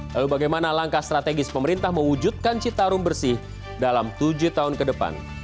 lalu bagaimana langkah strategis pemerintah mewujudkan citarum bersih dalam tujuh tahun ke depan